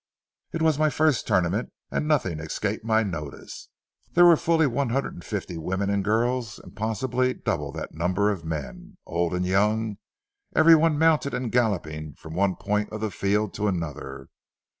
It was my first tournament and nothing escaped my notice. There were fully one hundred and fifty women and girls, and possibly double that number of men, old and young, every one mounted and galloping from one point of the field to another.